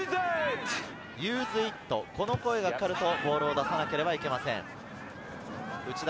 「ユーズイット」、この声がかかるとボールを出さなければいけません。